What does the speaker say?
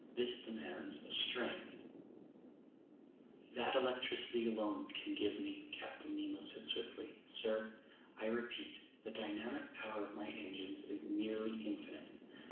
This demands a strength—" "That electricity alone can give me," Captain Nemo said swiftly. "Sir, I repeat: the dynamic power of my engines is nearly infinite.